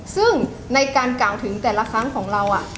ซึ่งในการกล่าวถึงแต่ละครั้งของเรา